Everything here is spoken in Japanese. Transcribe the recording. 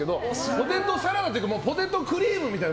ポテトサラダっていうかもう、ポテトクリームみたいな。